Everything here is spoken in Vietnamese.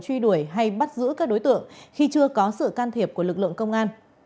truy đuổi hay bắt giữ các đối tượng khi chưa có sự can thiệp của lực lượng công an